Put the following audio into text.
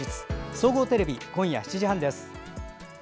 総合テレビ、今夜７時半です。